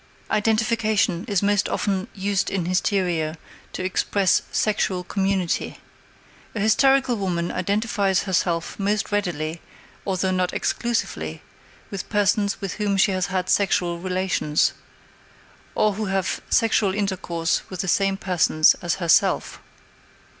Identification is most often used in hysteria to express sexual community. An hysterical woman identifies herself most readily although not exclusively with persons with whom she has had sexual relations, or who have sexual intercourse with the same persons as herself.